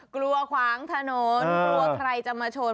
กลัวขวางถนนกลัวใครจะมาชน